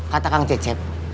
kata kang cecep